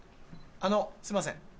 あのすいません。